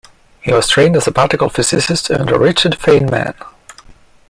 He was trained as a particle physicist under Richard Feynman.